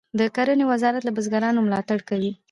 د کرنې وزارت له بزګرانو ملاتړ کوي.